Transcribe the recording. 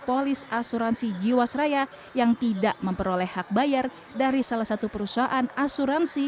polis asuransi jiwasraya yang tidak memperoleh hak bayar dari salah satu perusahaan asuransi